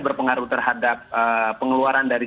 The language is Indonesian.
berpengaruh terhadap pengeluaran dari